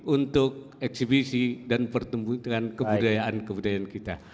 untuk eksibisi dan pertumbuhan kebudayaan kebudayaan kita